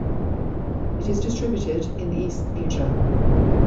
It is distributed in East Asia.